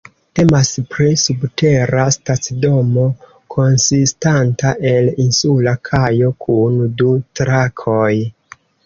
Temas pri subtera stacidomo konsistanta el insula kajo kun du trakoj.